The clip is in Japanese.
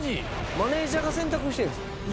マネジャーが洗濯してんすよ。